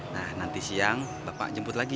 nah nanti siang bapak jemput lagi